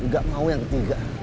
gak mau yang ketiga